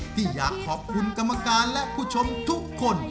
ที่อยากขอบคุณกรรมการและผู้ชมทุกคน